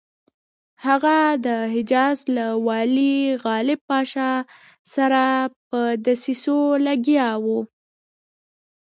هغه د حجاز له والي غالب پاشا سره په دسیسو لګیا وو.